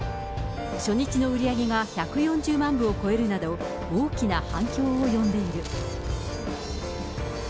初日の売り上げが１４０万部を超えるなど、大きな反響を呼んでいる。